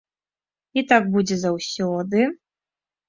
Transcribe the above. І так будзе заўсёды.